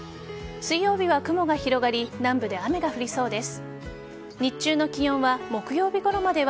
水曜日は雲が広がり南部で雨が降りそうです。